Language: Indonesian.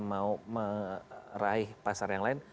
mau meraih pasar yang lain